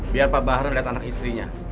biar pak bahar lihat anak istrinya